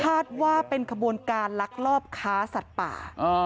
คาดว่าเป็นขบวนการลักลอบค้าสัตว์ป่า